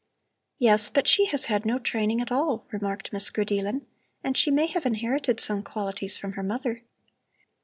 "Yes, but she has had no training at all." remarked Miss Grideelen; "and she may have inherited some qualities from her mother."